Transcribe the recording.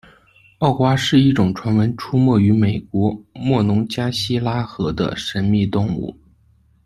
奥瓜是一种传闻出没于美国莫农加希拉河的神秘动物。